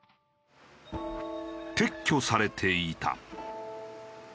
撤去されていた。